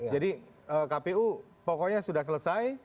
jadi kpu pokoknya sudah selesai